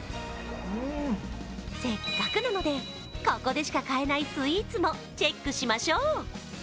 せっかくなのでここでしか買えないスイーツもチェックしましょう。